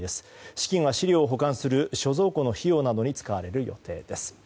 資金は資料を保管する所蔵庫の費用などに使われる予定です。